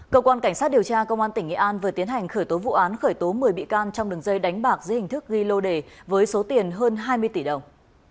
cơ quan cảnh sát điều tra công an tỉnh nghệ an vừa tiến hành khởi tố vụ án khởi tố một mươi bị can trong đường dây đánh bạc dưới hình thức ghi lô đề với số tiền hơn hai mươi tỷ đồng